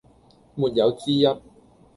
沒有之一